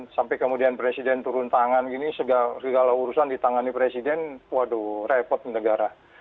sampai kemudian presiden turun tangan gini segala urusan ditangani presiden waduh repot negara